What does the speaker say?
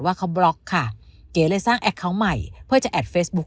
ว่าเขาบล็อกค่ะเก๋เลยสร้างแอคเคาน์ใหม่เพื่อจะแอดเฟซบุ๊